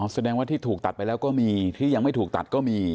แสดงว่าที่ถูกตัดไปแล้วก็มีที่ยังไม่ถูกตัดก็มี